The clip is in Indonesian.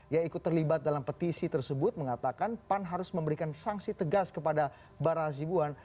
yang ikut terlibat dalam petisi tersebut mengatakan pan harus memberikan sanksi tegas kepada bara azibuan